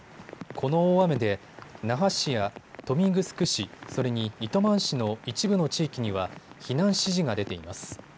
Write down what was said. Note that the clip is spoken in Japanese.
この大雨で那覇市や豊見城市、それに糸満市の一部の地域には避難指示が出ています。